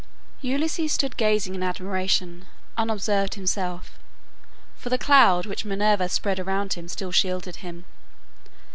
Ulysses stood gazing in admiration, unobserved himself, for the cloud which Minerva spread around him still shielded him.